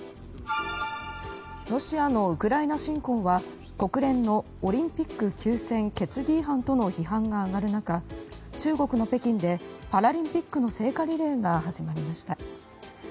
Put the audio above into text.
ロシアのウクライナ侵攻は国連のオリンピック休戦決議違反との批判が上がる中中国の北京でパラリンピックの聖火リレーが始まりました。